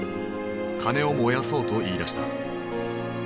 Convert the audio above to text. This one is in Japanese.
金を燃やそうと言いだした。